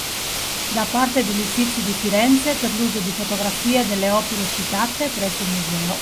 Da parte degli Uffizi di Firenze per l’uso di fotografie delle opere ospitate presso il museo.